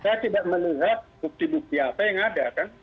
saya tidak melihat bukti bukti apa yang ada kan